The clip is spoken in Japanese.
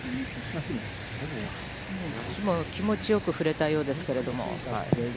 気持ちよく振れたようですけれども。